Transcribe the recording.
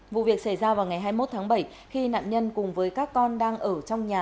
vụ việc xảy ra vào ngày hai mươi một tháng bảy khi nạn nhân cùng với các con đang ở trong nhà